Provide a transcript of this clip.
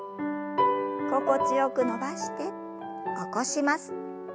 心地よく伸ばして起こします。